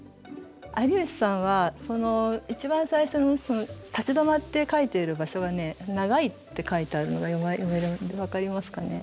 有吉さんは一番最初に立ち止まって描いている場所がね「長い」って書いてあるのが分かりますかね。